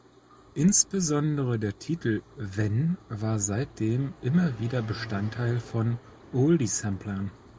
Insbesondere der Titel "Wenn" war seitdem immer wieder Bestandteil von Oldie-Samplern.